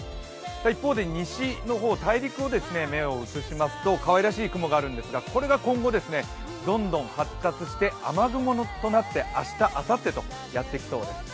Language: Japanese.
一方で西の方、大陸へと目を移しますとかわいらしい雲があるんですが、これが今後どんどん発達して雨雲となって明日、あさってとやってきそうです。